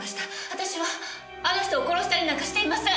私はあの人を殺したりなんかしていません！